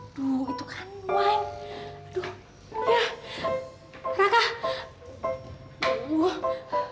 aduh itu kan wine